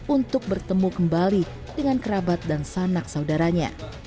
untuk bertemu kembali dengan kerabat dan sanak saudaranya